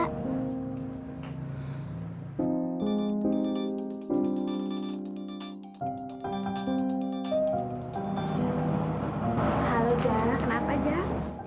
halo jah kenapa jah